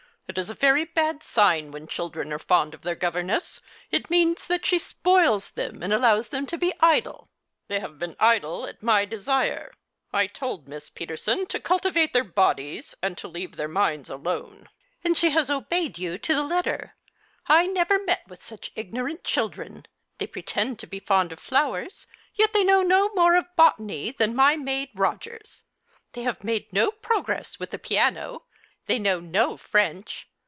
It is a very bad sign when children are fond of their governess. It means tliat she spoils them and allows them to be idle." " They have been idle at my desire. I told Miss Peterson to cultivate their bodies and leave their minds alone." " And she has obeyed you to the letter. I never met with such ignorant children. They pretend to be fond of flowers, yet they know no more of botany than my maid Rogers. They have made no progress with the piano. They know no French.